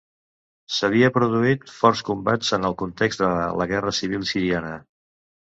S'havia produït forts combats en el context de la Guerra Civil siriana.